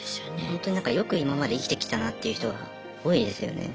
ほんとになんかよく今まで生きてきたなっていう人が多いですよね。